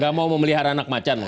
gak mau memelihara anak macan lah